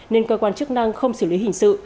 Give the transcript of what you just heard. nên cơ quan chức năng không xử lý hình sự